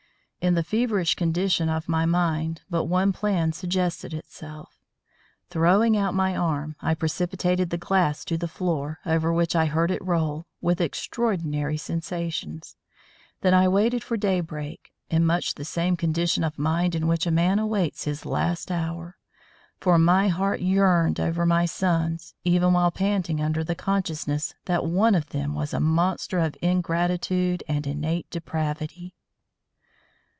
In the feverish condition of my mind but one plan suggested itself. Throwing out my arm, I precipitated the glass to the floor, over which I heard it roll, with extraordinary sensations. Then I waited for daybreak, in much the same condition of mind in which a man awaits his last hour; for my heart yearned over my sons even while panting under the consciousness that one of them was a monster of ingratitude and innate depravity.